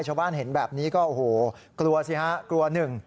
ชาวบ้านเห็นแบบนี้ก็โอ้โหกลัวสิฮะกลัวหนึ่ง